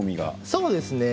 そうですね。